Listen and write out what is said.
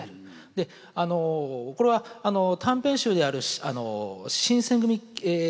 でこれは短編集である「新選組血風録」ですね。